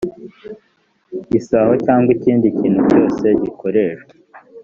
isaho cyangwa ikindi kintu cyose gikoreshwa